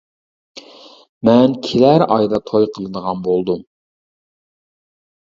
-مەن كېلەر ئايدا توي قىلىدىغان بولدۇم.